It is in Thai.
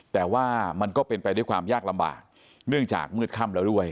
แต่ว่ามันก็เป็นไปด้วยความยากลำบากเนื่องจากมืดค่ำแล้วด้วย